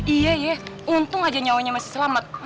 iya ya untung aja nyawanya masih selamat